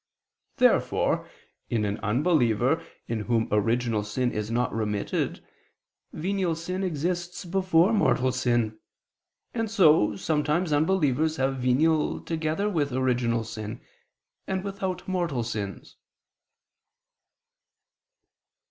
Therefore in an unbeliever, in whom original sin is not remitted, venial sin exists before mortal sin: and so sometimes unbelievers have venial together with original sin, and without mortal sins.